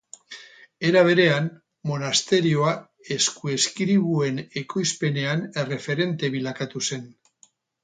Era berean, monasterioa eskuizkribuen ekoizpenean erreferente bilakatu zen.